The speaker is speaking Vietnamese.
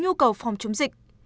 nhu cầu phòng chống dịch